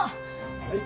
はい？